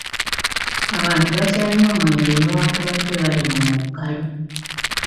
Abantu bakyanywa omwenge newankubadde bali mu muggalo.